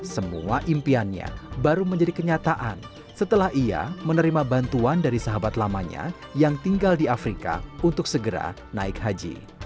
semua impiannya baru menjadi kenyataan setelah ia menerima bantuan dari sahabat lamanya yang tinggal di afrika untuk segera naik haji